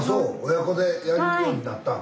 親子でやるようになったん？